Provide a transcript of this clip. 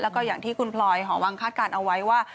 แล้วก็อย่างที่คุณพลอยหอวังคาดการณ์เอาไว้ว่า